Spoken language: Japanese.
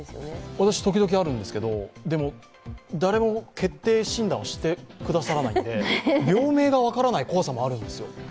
私、時々あるんですけど、でも、誰も決定診断をしてくださらないので、病名が分からない怖さもあるんですよ。